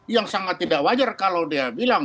yang sangat tidak wajar kalau dia bilang